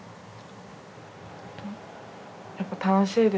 やっぱり楽しいです。